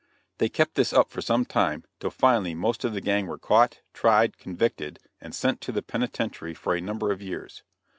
They kept this up for some time, till finally most of the gang were caught, tried, convicted, and sent to the penitentiary for a number of years.